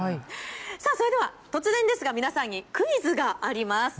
それでは突然ですが皆さんにクイズがあります。